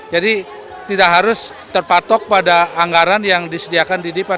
jadi tidak harus terpatok pada anggaran yang disediakan di dipa